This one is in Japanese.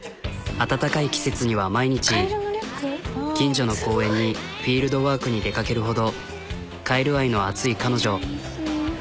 暖かい季節には毎日近所の公園にフィールドワークに出かけるほどカエル愛の熱い彼女。